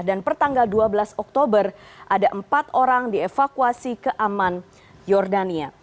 dan pertanggal dua belas oktober ada empat orang dievakuasi ke aman yordania